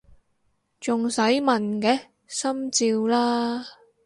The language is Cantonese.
仲使問嘅！心照啦！